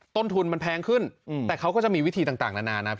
ต้นทุนมันแพงขึ้นแต่เขาก็จะมีวิธีต่างนานานะ